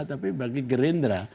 tapi bagi gerindra